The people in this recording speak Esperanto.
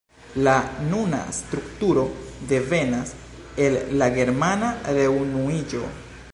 La nuna strukturo devenas el la germana reunuiĝo.